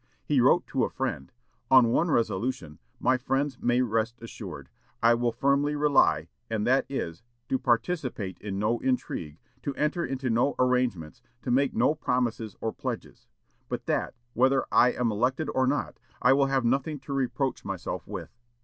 He wrote to a friend, "On one resolution, my friends may rest assured, I will firmly rely, and that is, to participate in no intrigue, to enter into no arrangements, to make no promises or pledges; but that, whether I am elected or not, I will have nothing to reproach myself with.